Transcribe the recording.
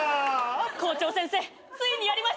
校長先生ついにやりましたね。